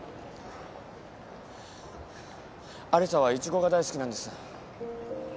有沙はイチゴが大好きなんです。